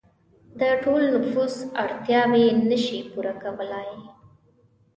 د ټول نفوس اړتیاوې نشي پوره کولای.